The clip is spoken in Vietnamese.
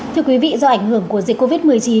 thưa quý vị do ảnh hưởng của dịch covid một mươi chín